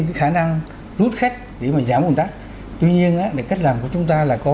cái khả năng rút khách để mà giảm ổn tắc tuy nhiên cách làm của chúng ta là có